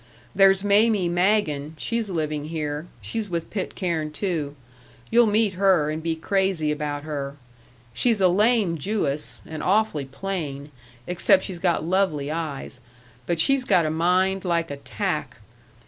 There's Mamie Magen she's living here; she's with Pitcairn, too. You'll meet her and be crazy about her. She's a lame Jewess, and awfully plain, except she's got lovely eyes, but she's got a mind like a tack.